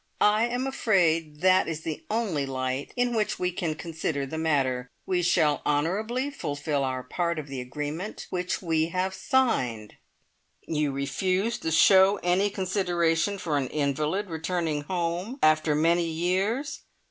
I am afraid that is the only light in which we can consider the matter. We shall honourably fulfil our part of the agreement which we have signed." "You refuse to show any consideration for an invalid returning home after many years?"